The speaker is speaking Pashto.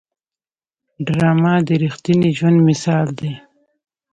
ډرامه د رښتیني ژوند مثال دی